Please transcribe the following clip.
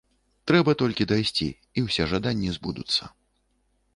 Трэба толькі дайсці, і ўсе жаданні збудуцца.